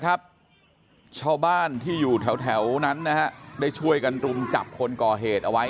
ครับชาวบ้านที่อยู่แถวนั้นนะฮะได้ช่วยกันรุมจับคนก่อเหตุเอาไว้